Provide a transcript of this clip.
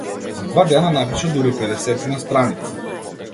За два дена напиша дури педесетина страници.